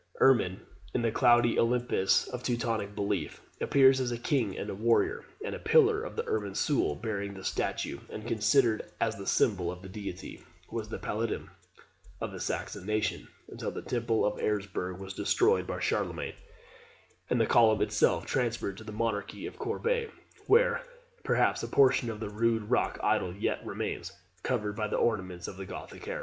"Irmin, in the cloudy Olympus of Teutonic belief, appears as a king and a warrior; and the pillar, the 'Irmin sul,' bearing the statue, and considered as the symbol of the deity, was the Palladium of the Saxon nation, until the temple of Eresburg was destroyed by Charlemagne, and the column itself transferred to the monastery of Corbey, where, perhaps, a portion of the rude rock idol yet remains, covered by the ornaments of the Gothic era."